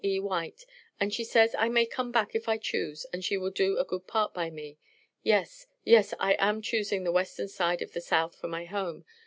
E. White, and she says I may come back if I choose and she will do a good part by me. Yes, yes I am choosing the western side of the South for my home.